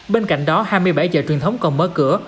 bên cạnh đó hai mươi bảy chợ truyền thống còn mở cửa